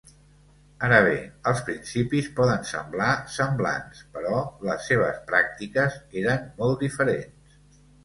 Ara bé, els principis poden semblar semblants, però les seves pràctiques eren molt diferents.